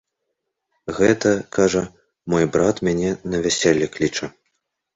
Гэта, кажа, мой брат мяне на вяселле кліча.